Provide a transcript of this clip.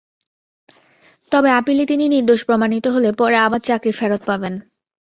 তবে আপিলে তিনি নির্দোষ প্রমাণিত হলে পরে আবার চাকরি ফেরত পাবেন।